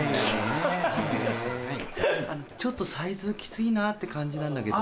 ちょっとサイズキツいなって感じなんだけど。